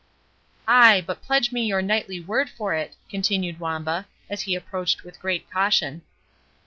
"Ay, but pledge me your knightly word for it," continued Wamba, as he approached with great caution.